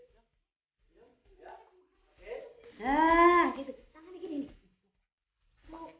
nah gitu tangan lagi nih